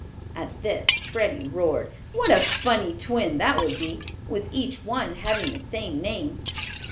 At this Freddie roared. "What a funny twin that would be with each one having the same name!"